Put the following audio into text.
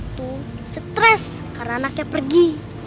itu stres karena anaknya pergi